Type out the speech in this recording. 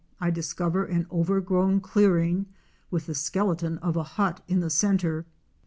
307 I discover an overgrown clearing with the skeleton of a hut in the centre.